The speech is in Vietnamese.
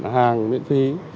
hàng miễn phí